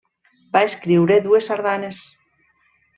Va escriure dues sardanes.